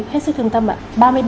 hết sức thương tâm ạ